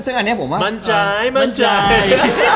ซึ่งอันนี้ผมว่ามันใช้มันใช้